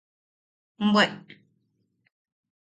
¡Bwe!